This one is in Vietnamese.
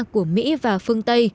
của mỹ và phương tây